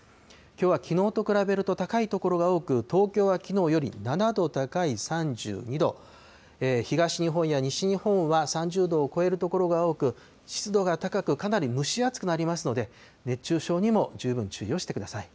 きょうはきのうと比べると高い所が多く、東京はきのうより７度高い３２度、東日本や西日本は３０度を超える所が多く、湿度が高く、かなり蒸し暑くなりますので、熱中症にも十分注意をしてください。